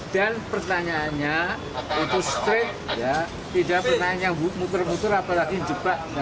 dan pertanyaannya untuk straight tidak pertanyaan yang muter muter apalagi jebak